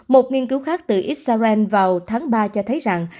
một nghiên cứu khác từ israel vào tháng ba cho thấy rằng